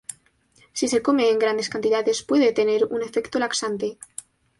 Si se come en grandes cantidades puede tener un efecto laxante.